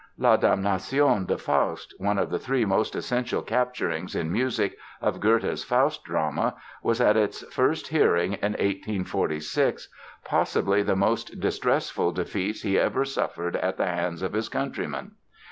"La Damnation de Faust", one of the three most essential capturings in music of Goethe's "Faust" drama, was at its first hearing in 1846 possibly the most distressful defeats he ever suffered at the hands of his countrymen.